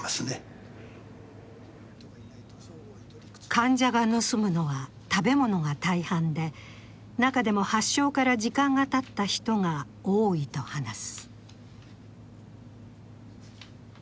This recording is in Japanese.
患者が盗むのは食べ物が大半で、中でも発症から時間がたった人が多いと話す。